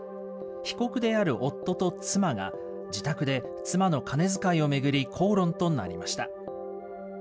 被告である夫と妻が、自宅で妻の金遣いを巡り、口論となりました。